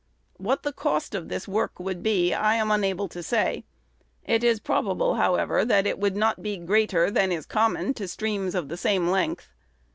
What the cost of this work would be, I am unable to say. It is probable, however, that it would not be greater than is common to streams of the same length.